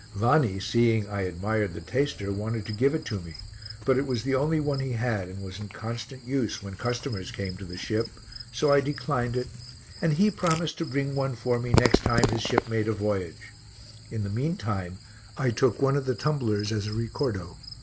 Vanni, seeing I admired the taster, wanted to give it to me, but it was the only one he had and was in constant use when customers came to the ship, so I declined it and he promised to bring one for me next time his ship made a voyage; in the meantime I took one of the tumblers as a ricordo.